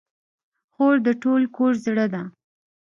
خور د ټول کور زړه ده.